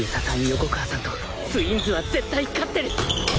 横川さんとツインズは絶対勝ってる！